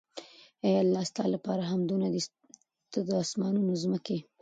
اې الله ! ستا لپاره حمدونه دي ته د آسمانونو، ځمکي